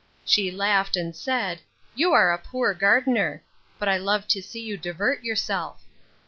She laughed, and said, You are a poor gardener: but I love to see you divert yourself.